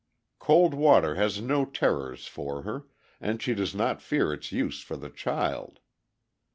Cold water has no terrors for her, and she does not fear its use for the child.